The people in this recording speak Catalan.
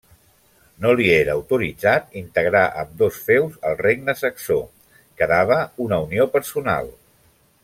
No li era autoritzat integrar ambdós feus al regne saxó, quedava una unió personal.